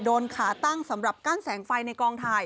ขาตั้งสำหรับกั้นแสงไฟในกองถ่าย